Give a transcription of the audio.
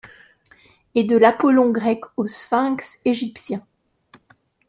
Et, de l'Apollon grec au Sphinx, égyptien